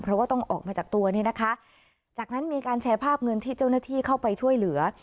เพราะว่าต้องออกมาจากตัวเนี่ยนะคะจากนั้นมีการแชร์ภาพเงินที่เจ้าหน้าที่เข้าไปช่วยเหลือ